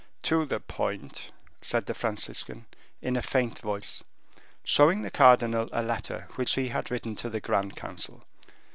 "To the point," said the Franciscan, in a faint voice, showing the cardinal a letter which he had written to the grand council.